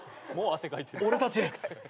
俺たち。